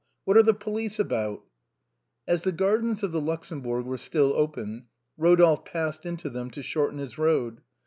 What are the police about ?" As the gardens of the Luxembourg were still open, Ro dolphe passed into them to shorten his road.